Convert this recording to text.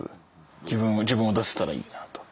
自分も自分を出せたらいいなと。